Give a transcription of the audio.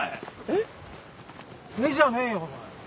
えっじゃねえよお前。